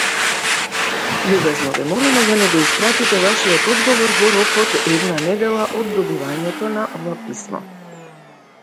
The same representative character attaches to the cutter and binder.